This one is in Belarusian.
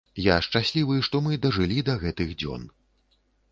Я шчаслівы, што мы дажылі да гэтых дзён.